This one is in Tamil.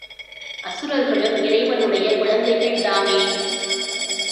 அசுரர்களும் இறைவனுடைய குழந்தைகள்தாமே?